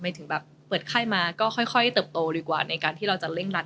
ถึงแบบเปิดไข้มาก็ค่อยเติบโตดีกว่าในการที่เราจะเร่งรัด